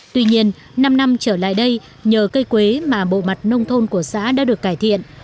tuy nhiên năm năm trở lại đây nhờ cây quế mà bộ mặt nông thôn của xã đã được cải thiện